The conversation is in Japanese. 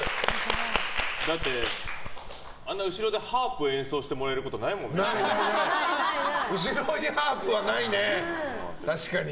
だって、あんな後ろでハープ演奏してもらえること後ろにハープはないね、確かに。